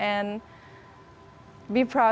anda bisa mencapai apa saja